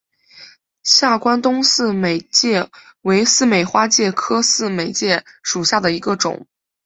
下关东似美花介为似美花介科似美花介属下的一个种。